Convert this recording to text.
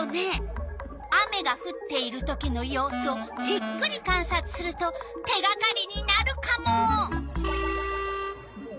雨がふっているときのようすをじっくりかんさつすると手がかりになるカモ！